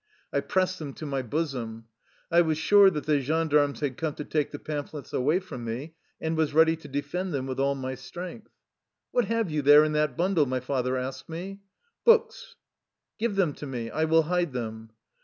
I pressed them to my bosom. I was sure that the gendarmes had come to take the pamphlets away from me, and was ready to defend them with all my strength. " What have you there in that bundle? " my father asked me. " Books.'' " Give them to me. I will hide them."